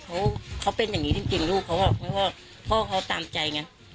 เขาเขาเป็นอย่างงี้จริงจริงลูกเขาบอกว่าพ่อเขาตามใจไง